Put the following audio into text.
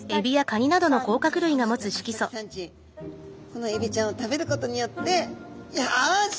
このエビちゃんを食べることによってよし！